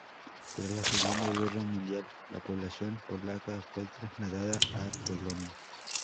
Tras la Segunda guerra mundial, la población polaca fue trasladada a Polonia.